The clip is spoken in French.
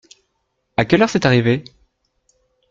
À quelle heure c’est arrivé ?